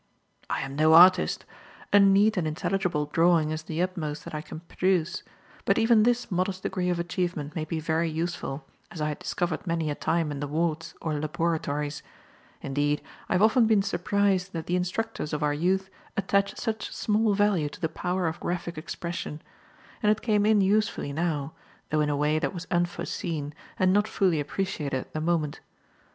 I am no artist. A neat and intelligible drawing is the utmost that I can produce. But even this modest degree of achievement may be very useful, as I had discovered many a time in the wards or laboratories indeed, I have often been surprised that the instructors of our youth attach such small value to the power of graphic expression; and it came in usefully now, though in a way that was unforeseen and not fully appreciated at the moment.